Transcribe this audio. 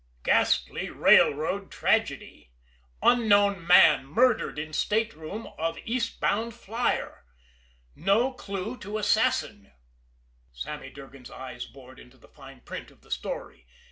GHASTLY RAILROAD TRAGEDY UNKNOWN MAN MURDERED IN STATEROOM OF EASTBOUND FLYER No Clue to Assassin Sammy Durgan's eyes bored into the fine print of the "story."